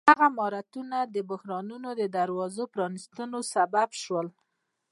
هغه مهارتونه د بحرونو د دروازو پرانیستلو سبب شول.